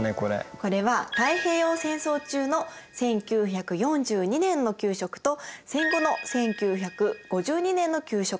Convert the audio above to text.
これは太平洋戦争中の１９４２年の給食と戦後の１９５２年の給食